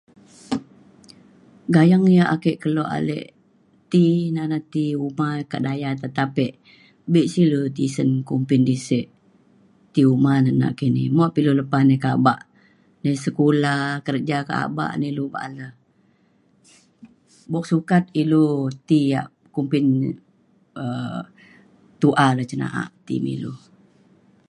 gayeng ya' ake keluk alik ti na ne ti uma ka daya tapek be' sik ilu tisen kumpin tisek ti uma na nakini mok pe ilu lepa nai ke abak nai sekula kerja ke abak ne ilu ba'an le. bok sukat ilu ti ya' kumpin um tu'a le cen na'a ti milu.